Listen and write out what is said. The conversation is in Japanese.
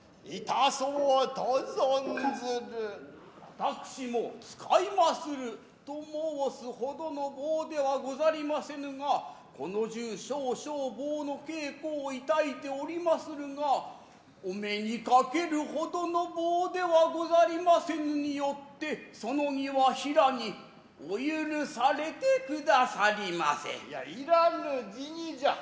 私も使いますると申す程の棒ではござりませぬがこの中少々棒の稽古を致いておりまするがお目に掛ける程の棒ではござりませぬによってその儀は平にお許されてくださりませ。イヤいらぬ辞宜じゃ。